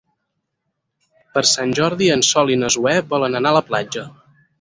Per Sant Jordi en Sol i na Zoè volen anar a la platja.